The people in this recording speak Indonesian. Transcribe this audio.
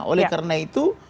oleh karena itu